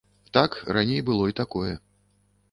Так, раней было і такое.